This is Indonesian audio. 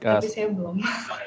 tapi saya belum